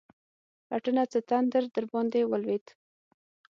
رټنه؛ څه تندر درباندې ولوېد؟!